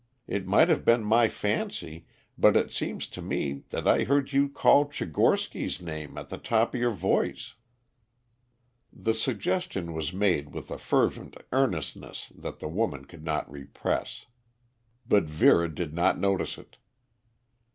"It might have been my fancy, but it seemed to me that I heard you call Tchigorsky's name at the top of your voice." The suggestion was made with a fervent earnestness that the woman could not repress. But Vera did not notice it.